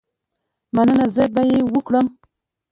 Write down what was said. مننه، زه به یې وکړم.